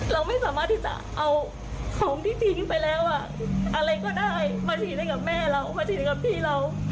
เราไม่สามารถที่จะเอาของที่ทิ้งไปแล้วอะไรก็ได้มาฉีดให้กับแม่เรามาฉีดกับพี่เรา